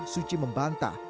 suu kyi membantah